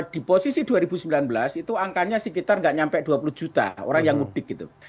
di posisi dua ribu sembilan belas itu angkanya sekitar nggak sampai dua puluh juta orang yang mudik gitu